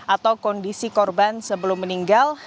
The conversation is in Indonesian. atau kondisi korban sebelum meninggal